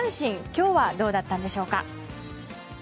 今日はどうだったんでしょうか。